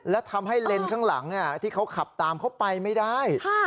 และทำให้เลนส์ข้างหลังที่เขาขับตามเขาไปไม่ได้